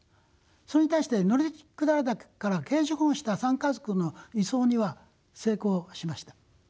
それに対して乗鞍岳からケージ保護した３家族の輸送には成功しました。